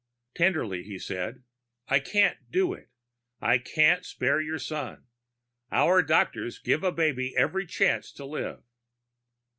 Tenderly he said, "I can't do it. I can't spare your son. Our doctors give a baby every chance to live."